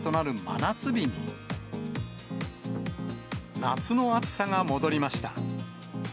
夏の暑さが戻りました。